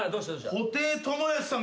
布袋寅泰さん